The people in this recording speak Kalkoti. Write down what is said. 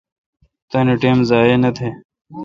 تانی ٹیم ضایع نہ تہ